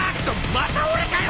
また俺かよ！